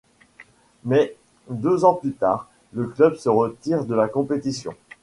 Mais, deux ans plus tard, le club se retire de la compétition.